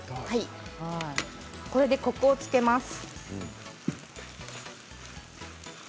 これでコクをつけます。